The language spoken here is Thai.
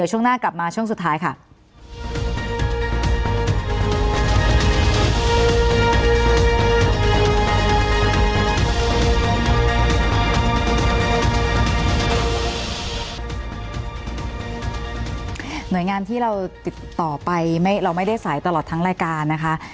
หน่วยงามที่เราติดต่อไปเราไม่ได้สายตลอดทั้งรายการนะคะ